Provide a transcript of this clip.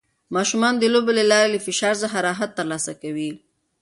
ماشومان د لوبو له لارې له فشار څخه راحت ترلاسه کوي.